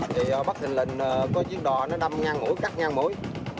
thì bắt thịnh lệnh có chiếc đò nó đâm ngang mũi cắt ngang mũi